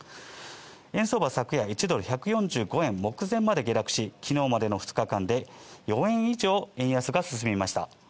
円相場は昨夜、１ドル＝１４５円目前まで下落し、昨日までの２日間で４円以上円安が進みました。